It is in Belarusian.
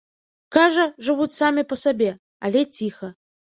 Кажа, жывуць самі па сабе, але ціха.